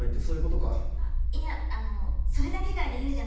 あっいやあのそれだけが理由じゃないんです。